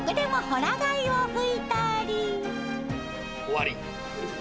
終わり。